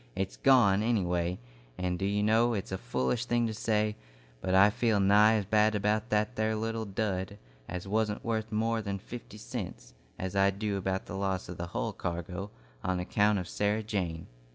It's gone, any way, and do you know, it's a foolish thing to say, but I feel nigh as bad about that there little dud as wasn't worth more 'n fifty cents, as I do about the loss of the hull cargo, on account of Sarah Jane."